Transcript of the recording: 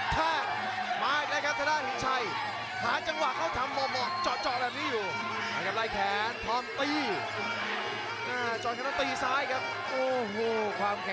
แท่งมาอีกแล้วครับถ้าได้หินชัย